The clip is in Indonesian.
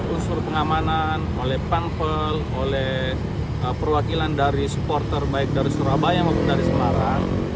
unsur pengamanan oleh pampel oleh perwakilan dari supporter baik dari surabaya maupun dari semarang